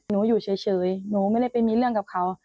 อยู่เฉยหนูไม่ได้ไปมีเรื่องกับเขา